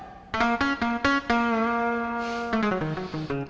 a ceng apa yang berisik